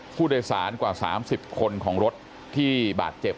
ภัยสานกว่า๓๐คนของรถที่บาทเจ็บ